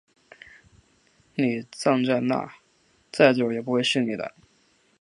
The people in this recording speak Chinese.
你站在那再久也不会是你的